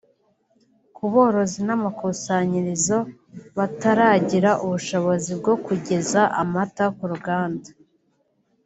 Ku borozi n’amakusanyirioz bataragira ubushobozi bwo kugeza amata ku ruganda